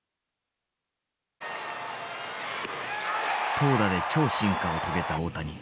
投打で超進化を遂げた大谷。